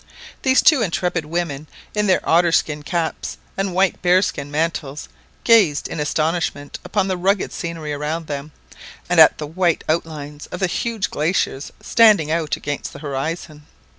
These two intrepid women, in their otter skin caps and white bear skin mantles, gazed in astonishment upon the rugged scenery around them, and at the white outlines of the huge glaciers standing out against the horizon.